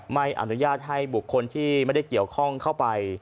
ไม่อนุญาตให้บุคคลที่ไม่ได้เกี่ยวข้องเข้าไป